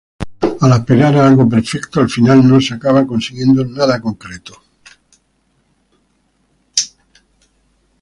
Al aspirar a algo perfecto, al final no se acaba consiguiendo nada concreto.